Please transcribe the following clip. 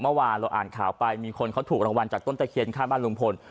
เมื่อวานเราอ่านข่าวไปมีคนเขาถูกรางวัลจากต้นตะเคียนข้างบ้านลุงพล